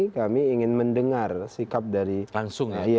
kami ingin mendengar sikap dari langsung